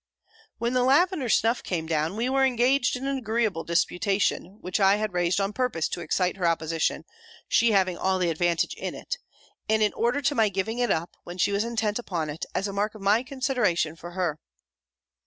"When the lavender snuff came down, we were engaged in an agreeable disputation, which I had raised on purpose to excite her opposition, she having all the advantage in it; and in order to my giving it up, when she was intent upon it, as a mark of my consideration for her."